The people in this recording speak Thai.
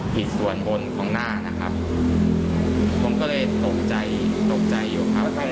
ผิดส่วนบนของหน้านะครับผมก็เลยตกใจตกใจอยู่ครับ